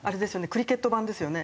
クリケット版ですよね？